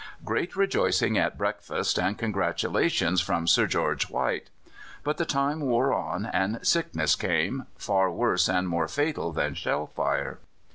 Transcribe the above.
Great rejoicing at breakfast, and congratulations from Sir George White. But the time wore on, and sickness came far worse and more fatal than shell fire.